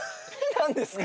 何ですか？